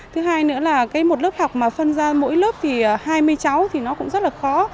thứ hai nữa là một lớp học mà phân ra mỗi lớp thì hai mươi cháu thì nó cũng rất là khó